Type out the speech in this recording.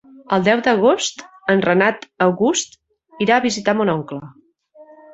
El deu d'agost en Renat August irà a visitar mon oncle.